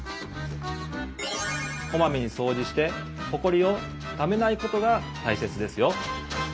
こまめにそうじしてほこりをためないことがたいせつですよ。